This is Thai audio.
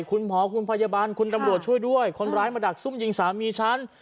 คุณหมอคุณพยาบาลคุณตำรวจช่วยด้วยคนร้ายมาดักซุ่มยิงสามีฉัน